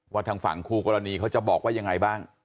ทางฝั่งคู่กรณีเขาจะบอกว่ายังไงบ้าง